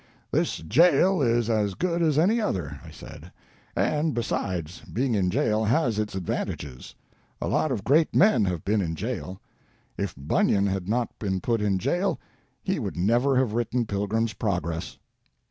'This jail is as good as any other,' I said, 'and, besides, being in jail has its advantages. A lot of great men have been in jail. If Bunyan had not been put in jail, he would never have written "Pilgrim's Progress."